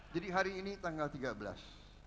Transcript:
jadi hari ini tanggal tiga belas